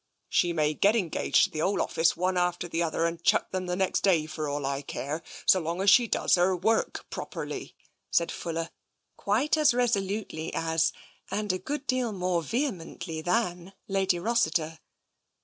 " She may get engaged to the whole office one after 234 TENSION another and chuck them next day, for all I care, so long as she does her work properly," said Fuller, quite as resolutely as, and a good deal more vehemently than, Lady Rossiter.